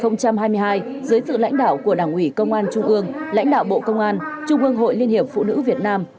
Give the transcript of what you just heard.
năm hai nghìn hai mươi hai dưới sự lãnh đạo của đảng ủy công an trung ương lãnh đạo bộ công an trung ương hội liên hiệp phụ nữ việt nam